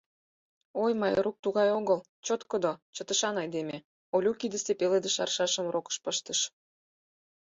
— Ой, Майрук тугай огыл, чоткыдо, чытышан айдеме, — Олю кидысе пеледыш аршашым рокыш пыштыш.